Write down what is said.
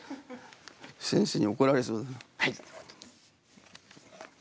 先生に怒られそうだな。